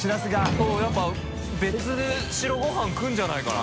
そうやっぱり未白ごはん来るんじゃないかな？